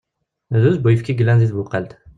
Drusn uyefki i yellan deg tbuqalt.